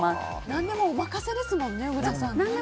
何でもお任せですもんね小倉さん。